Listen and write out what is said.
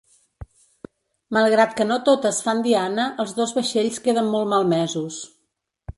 Malgrat que no totes fan diana, els dos vaixells queden molt malmesos.